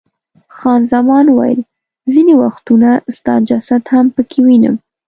خان زمان وویل، ځیني وختونه ستا جسد هم پکې وینم.